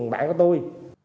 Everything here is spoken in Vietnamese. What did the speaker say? bạn của tôi